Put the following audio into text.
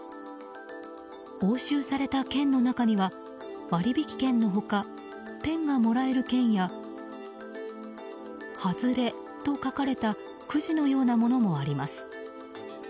押収された券の中には割引券の他ペンがもらえる券やはずれと書かれたくじのようなものもあります。